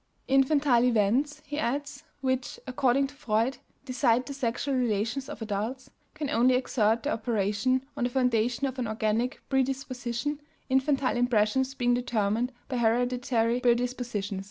"Infantile events," he adds, "which, according to Freud, decide the sexual relations of adults, can only exert their operation on the foundation of an organic predisposition, infantile impressions being determined by hereditary predisposition."